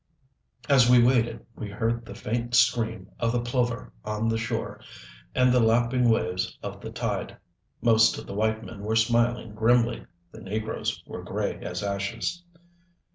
As we waited we heard the faint scream of the plover on the shore and the lapping waves of the tide. Most of the white men were smiling grimly the negroes were gray as ashes.